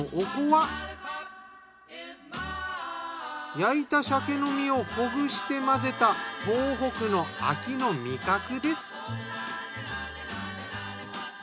焼いた鮭の身をほぐして混ぜた東北の秋の味覚です。